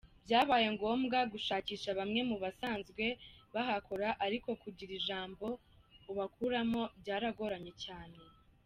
Byabaye ngombwa gushakisha bamwe mu basanzwe bahakora, ariko kugira ijambo ubakuramo byaragoranye cyane.